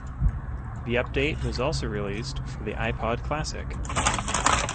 The update was also released for the iPod Classic.